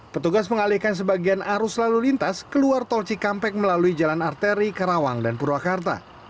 petugas mengalihkan sebagian arus lalu lintas keluar tol cikampek melalui jalan arteri karawang dan purwakarta